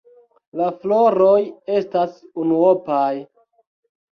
La floroj estas unuopaj.